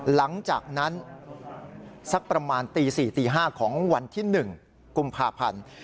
หลังจากนั้นสักประมาณตี๔ตี๕ของวันที่๑กุมภาพันธ์